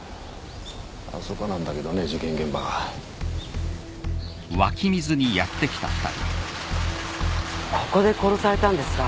あそこなんだけどね事件現場はここで殺されたんですか？